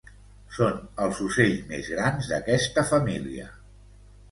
Són els ocells més grans d'aquesta família.